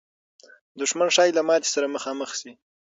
دښمن ښایي له ماتې سره مخامخ سي.